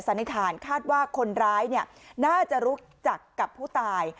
นิษฐานคาดว่าคนร้ายน่าจะรู้จักกับผู้ตาย